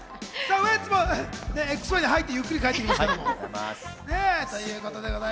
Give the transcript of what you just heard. ウエンツもＸＹに入って、ゆっくり帰っていく。